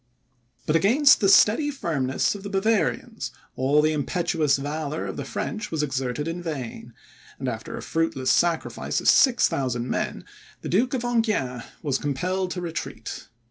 But against the steady firmness of the Bavarians, all the impetuous valour of the French was exerted in vain, and after a fruitless sacrifice of 6,000 men, the Duke of Enghien was compelled to retreat.